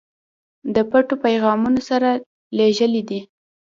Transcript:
د پټو پیغامونو سره لېږلی دي.